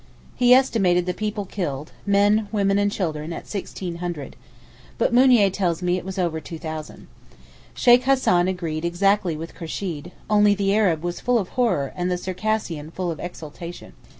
He estimated the people killed—men, women, and children at 1,600—but Mounier tells me it was over 2,000. Sheykh Hassan agreed exactly with Kursheed, only the Arab was full of horror and the Circassian full of exultation.